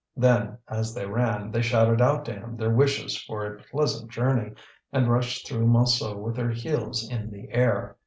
Then, as they ran, they shouted out to him their wishes for a pleasant journey, and rushed through Montsou with their heels in the air.